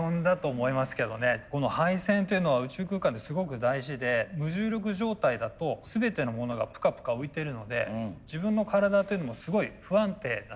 この配線というのは宇宙空間ですごく大事で無重力状態だと全てのものがぷかぷか浮いてるので自分の体というのもすごい不安定なんですよね。